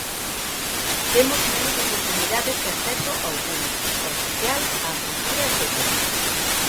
Temos menos oportunidades de acceso ao público, ao social, á cultura etcétera.